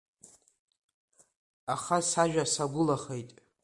Аха сажәа сагәылахеит.